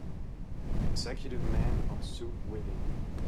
Executive man on a suit waiting.